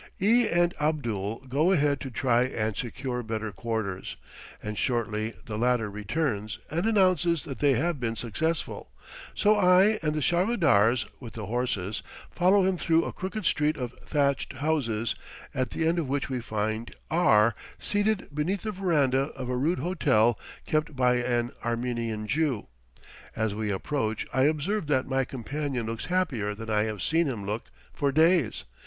E and Abdul go ahead to try and secure better quarters, and shortly the latter returns, and announces that they have been successful. So I, and the charvadars, with the horses, follow him through a crooked street of thatched houses, at the end of which we find R seated beneath the veranda of a rude hotel kept by an Armenian Jew. As we approach I observe that my companion looks happier than I have seen him look for days.